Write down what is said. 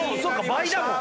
倍だもん。